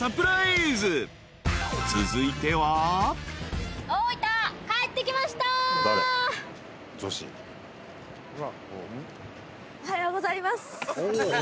［続いては］おはようございます。